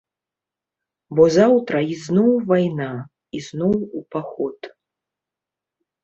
Бо заўтра ізноў вайна, ізноў у паход.